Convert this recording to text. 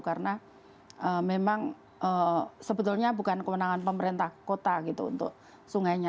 karena memang sebetulnya bukan kewenangan pemerintah kota gitu untuk sungainya